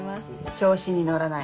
調子に乗らない。